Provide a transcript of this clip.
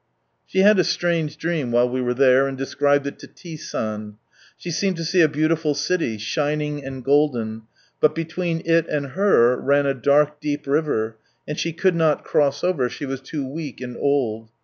She had a strange dream while we were there, and described it to T, San. She seemed to see a beautiful city, shining and golden, but between it and her, ran a dark deep river, and she could not cross over, she was too weak and old.